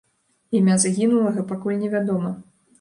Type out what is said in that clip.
Імя загінулага пакуль невядома.